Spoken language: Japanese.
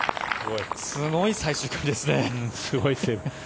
すごい最終組ですね。